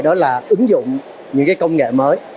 đó là ứng dụng những cái công nghệ mới